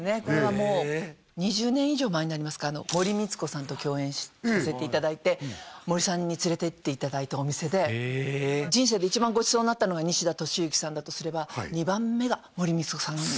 これはもう２０年以上前になりますか森光子さんと共演させていただいて森さんに連れて行っていただいたお店で人生で一番ごちそうになったのが西田敏行さんだとすれば２番目が森光子さん